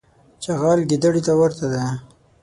چغال ګیدړي ته ورته دی.